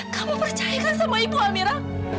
kamu percayakan sama ibu amira